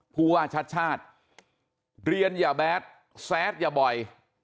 ผู้ว่าชาติชาติเรียนอย่าแบดแซดอย่าบ่อย